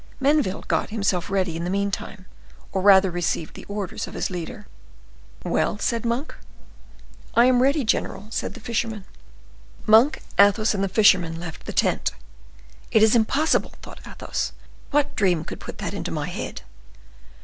Menneville got himself ready in the meantime, or rather received the orders of his leader. "Well?" said Monk. "I am ready, general," said the fisherman. Monk, Athos, and the fisherman left the tent. "It is impossible!" thought Athos. "What dream could put that into my head?"